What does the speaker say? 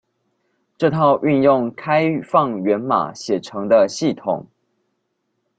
這套運用開放源碼寫成的系統